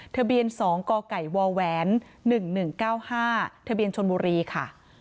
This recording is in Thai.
ทะเบียน๒กกว๑๑๙๕ทะเบียนชนบุรีค่ะ